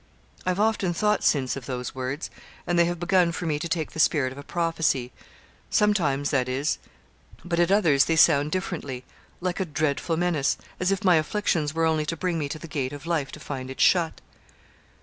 I have often thought since of those words, and they have begun, for me, to take the spirit of a prophecy sometimes that is but at others they sound differently like a dreadful menace as if my afflictions were only to bring me to the gate of life to find it shut.'